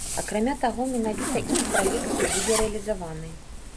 Акрамя таго, менавіта іх праект і будзе рэалізаваны.